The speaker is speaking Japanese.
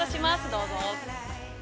どうぞ。